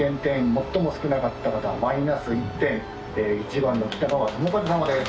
最も少なかった方マイナス１点１番のキタガワトモカズ様です。